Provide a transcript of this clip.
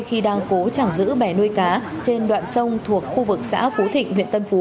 khi đang cố chẳng giữ bè nuôi cá trên đoạn sông thuộc khu vực xã phú thịnh huyện tân phú